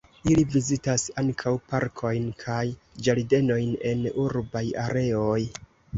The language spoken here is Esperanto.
Ili vizitas ankaŭ parkojn kaj ĝardenojn en urbaj areoj.